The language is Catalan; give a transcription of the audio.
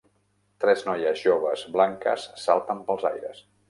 Tres noies joves blanques salten pels aires.